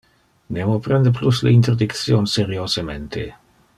Nemo prende plus le interdiction seriosemente.